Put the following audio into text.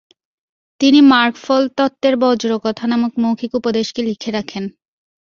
তিনি মার্গফল তত্ত্বের বজ্রকথা নামক মৌখিক উপদেশকে লিখে রাখেন।